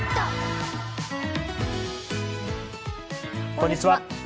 こんにちは。